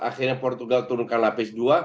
akhirnya portugal turunkan lapis dua